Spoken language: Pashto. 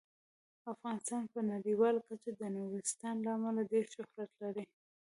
افغانستان په نړیواله کچه د نورستان له امله ډیر شهرت لري.